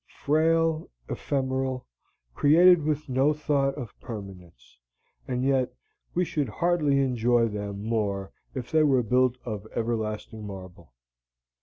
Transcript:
Frail, ephemeral, created with no thought of permanence; and yet we should hardly enjoy them more if they were built of everlasting marble.